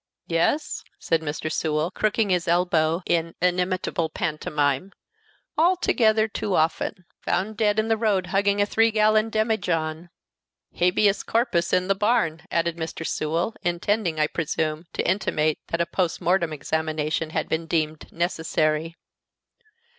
Yes," said Mr. Sewell, crooking his elbow in inimitable pantomime, "altogether too often. Found dead in the road hugging a three gallon demijohn. Habeas corpus in the barn," added Mr. Sewell, intending, I presume, to intimate that a post mortem examination had been deemed necessary.